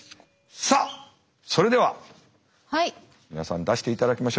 さあそれでは皆さん出していただきましょう。